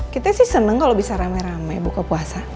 kita sih senang kalau bisa rame rame buka puasa